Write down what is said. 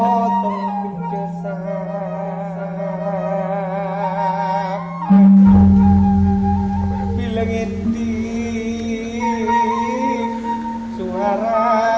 berpilangi di suara